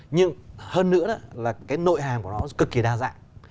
nhưng hơn nữa là cái nội hàm của nó cực kỳ đa dạng